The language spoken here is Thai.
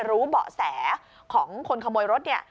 เบาะแสของคนขโมยรถเนี่ย